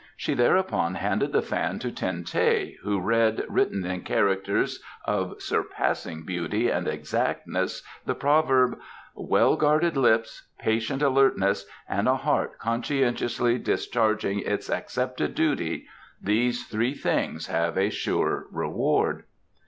She thereupon handed the fan to Ten teh, who read, written in characters of surpassing beauty and exactness, the proverb: "Well guarded lips, patient alertness and a heart conscientiously discharging its accepted duty: these three things have a sure reward."